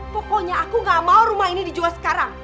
pokoknya aku gak mau rumah ini dijual sekarang